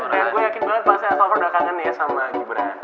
dan gue yakin banget bahasa ya solver udah kangen ya sama gibran